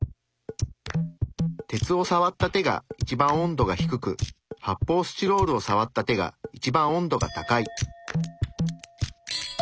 鉄をさわった手が一番温度が低く発泡スチロールをさわった手が一番温度が高い。